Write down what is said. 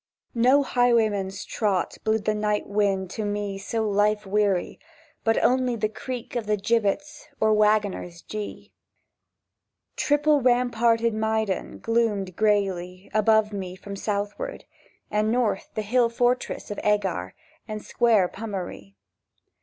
No highwayman's trot blew the night wind To me so life weary, But only the creak of the gibbets Or waggoners' jee. Triple ramparted Maidon gloomed grayly Above me from southward, And north the hill fortress of Eggar, And square Pummerie.